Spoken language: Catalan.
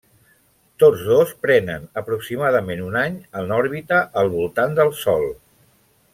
Tots dos prenen aproximadament un any en òrbita al voltant del Sol.